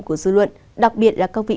của dư luận đặc biệt là các vị